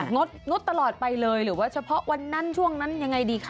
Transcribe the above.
งดงดตลอดไปเลยหรือว่าเฉพาะวันนั้นช่วงนั้นยังไงดีคะ